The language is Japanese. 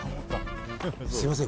すみません